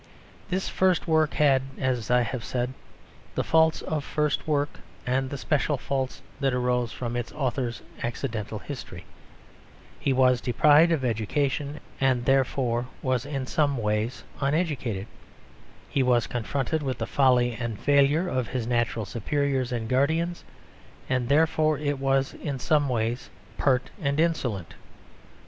This first work had, as I have said, the faults of first work and the special faults that arose from its author's accidental history; he was deprived of education, and therefore it was in some ways uneducated; he was confronted with the folly and failure of his natural superiors and guardians, and therefore it was in some ways pert and insolent.